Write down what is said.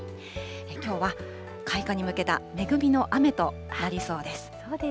きょうは開花に向けた恵みの雨となりそうです。